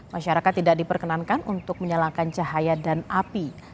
masyarakat tidak diperkenankan untuk menyalangkan cahaya dan api